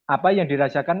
apa yang dirasakan